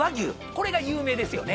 これが有名ですよね。